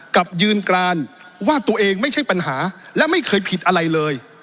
กับยืนกรานว่าตัวเองไม่ใช่ปัญหาและไม่เคยผิดอะไรเลย